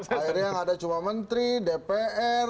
akhirnya yang ada cuma menteri dpr